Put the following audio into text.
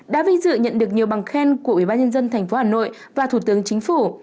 đã vinh dự nhận được nhiều bằng khen của ubnd tp hà nội và thủ tướng chính phủ